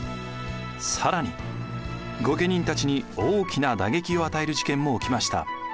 更に御家人たちに大きな打撃を与える事件も起きました。